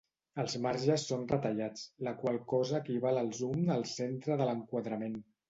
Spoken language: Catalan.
Els marges són retallats, la qual cosa equival al zoom al centre de l'enquadrament.